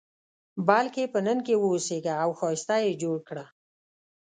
بلکې په نن کې واوسېږه او ښایسته یې جوړ کړه.